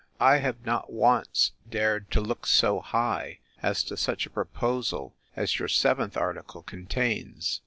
I have not once dared to look so high, as to such a proposal as your seventh article contains.